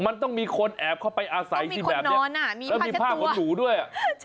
มันต้องมีคนแอบเข้าไปอาศัยที่แบบนี้ต้องมีคนนอนมีผ้าเช็ดตัวด้วย